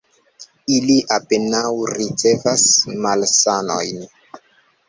Ili apenaŭ ricevas malsanojn.